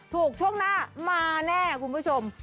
ช่วงหน้ามาแน่คุณผู้ชม